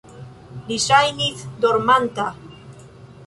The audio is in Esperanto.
Li ŝajnis dormanta.